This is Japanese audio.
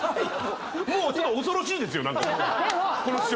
もう恐ろしいんですよ何か。